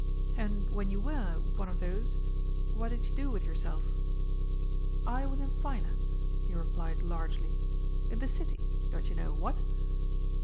And when you were one of those, what did you do with yourself?" "I was in Finance," he replied largely. "In the City, don't you know, what?"